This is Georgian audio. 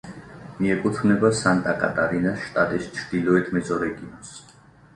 მიეკუთვნება სანტა-კატარინას შტატის ჩრდილოეთ მეზორეგიონს.